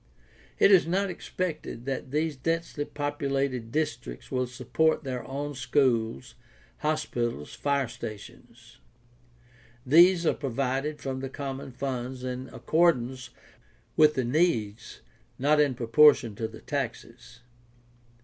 It is not expected that these densely populated districts will support their own schools, hospitals, fire stations; these are provided from the common funds in accordance with the needs, not in propor tion to the taxes.